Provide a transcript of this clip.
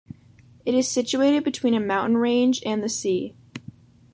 It is situated between a mountain range and the sea.